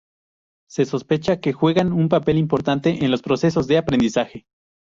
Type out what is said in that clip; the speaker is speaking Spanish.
Se sospecha que juegan un papel importante en los procesos de aprendizaje.